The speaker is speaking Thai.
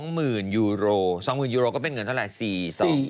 ๒หมื่นยูโร๒หมื่นยูโรก็เป็นเงินเท่าไหร่๔๒๘๗๘